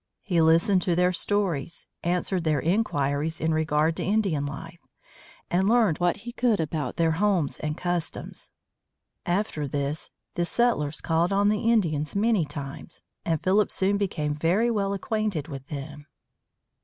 He listened to their stories, answered their inquiries in regard to Indian life, and learned what he could about their homes and customs. After this, the settlers called on the Indians many times, and Philip soon became very well acquainted with them.